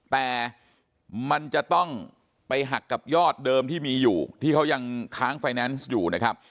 แต่มันจะต้องไปหักกับยอดเดิมที่มีอยู่ที่เขายังค้างไฟแนนซ์อยู่นะครับ